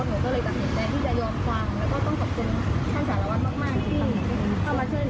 คือที่มาเกิดเรียนออกไปได้คือน้องไม่ตั้งใจไหม